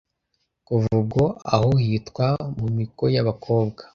Kuva ubwo aho hitwa “Mu miko y’abakowa”